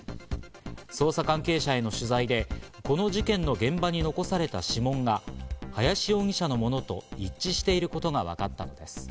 捜査関係者への取材でこの事件の現場に残された指紋が林容疑者のものと一致していることがわかったのです。